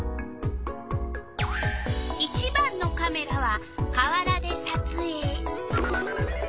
１番のカメラは川原でさつえい。